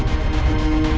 saya akan keluar